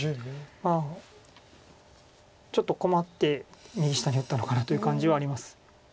まあちょっと困って右下に打ったのかなという感じはあります。